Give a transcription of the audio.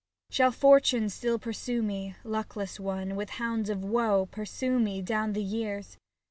Shall Fortune still pursue me, luck less one, With hounds of woe pursue me down the years